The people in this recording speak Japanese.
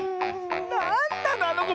なんなのあのこ！